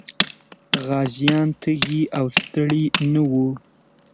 غازيان تږي او ستړي نه وو.